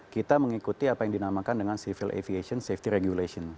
kita mengikuti apa yang dinamakan dengan civil aviation safety regulation